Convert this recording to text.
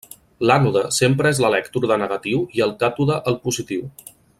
L'ànode sempre és l'elèctrode negatiu i el càtode el positiu.